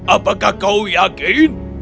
apakah kau yakin